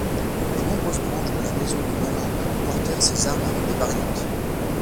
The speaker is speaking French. Les nombreuses branches de la maison de Melun portèrent ces armes avec des variantes.